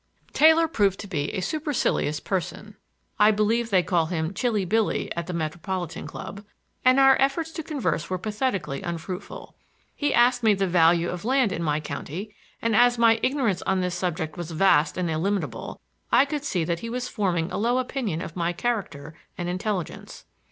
Taylor proved to be a supercilious person,—I believe they call him Chilly Billy at the Metropolitan Club,—and our efforts to converse were pathetically unfruitful. He asked me the value of land in my county, and as my ignorance on this subject was vast and illimitable, I could see that he was forming a low opinion of my character and intelligence.